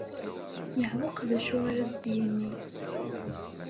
Yeɛwweq d acu ara as-d-yini.